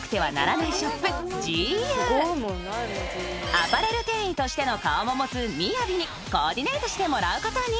［アパレル店員としての顔も持つＭＩＹＡＢＩにコーディネートしてもらうことに］